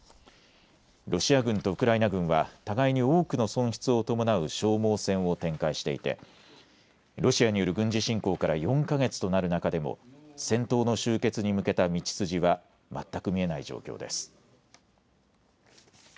ロシア軍とウクライナ軍は互いに多くの損失を伴う消耗戦を展開していてロシアによる軍事侵攻から４か月となる中でも戦闘の終結に向けた道筋は全く見えない状況です。